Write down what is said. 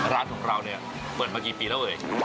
ร้านของเราเปิดมากี่ปีแล้ว